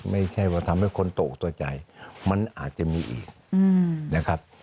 ไม่ใช่ว่าทำให้คนตกตัวใจมันอาจจะมีอีกนะครับ